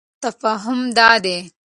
تفاهم دادی: